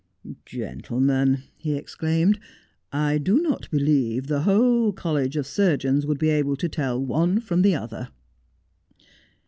' Gentlemen,' he exclaimed, ' I do not believe the whole College of Surgeons would be able to tell one from the other.'